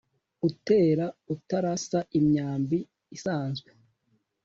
utera utarasa imyambi isanzwe